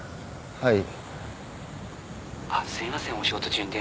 はい。